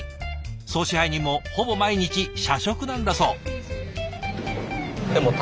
総支配人もほぼ毎日社食なんだそう。